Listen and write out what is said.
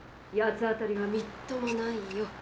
八つ当たりはみっともないよ。